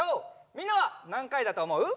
みんなはなんかいだとおもう？